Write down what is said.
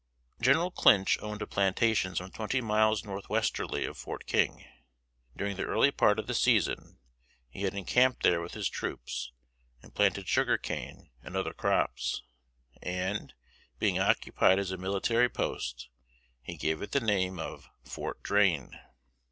General Clinch owned a plantation some twenty miles northwesterly of Fort King. During the early part of the season he had encamped there with his troops, and planted sugar cane, and other crops; and, being occupied as a military post, he gave it the name of "Fort Drane."